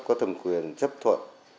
có thầm quyền chấp thuận